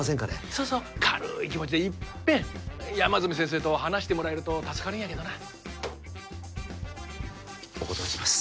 そうそう軽い気持ちで一遍山住先生と話してもらえると助かるんやけどなお断りします